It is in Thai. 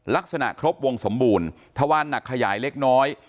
ลักษณะครบวงสมบูรณ์ทวานหนักขยายเล็กน้อย